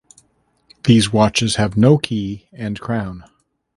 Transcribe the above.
These watches have no key and crown.